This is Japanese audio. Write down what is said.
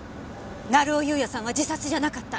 成尾優也さんは自殺じゃなかった。